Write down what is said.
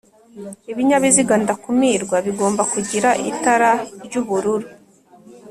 Ibinyabiziga ndakumirwa bigomba kugira itara ry'ubururu